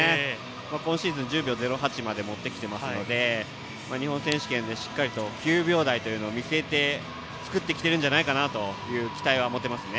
今シーズン、１０秒０８まで持ってきていますので日本選手権でしっかり９秒台というのを見据えて作ってきているんじゃないかなという期待は持てますね。